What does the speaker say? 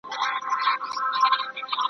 له پسه چي پیدا کیږي تل پسه وي ,